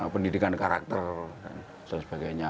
pendidikan karakter dan sebagainya